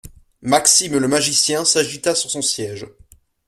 Maxime le magicien s’agita sur son siège.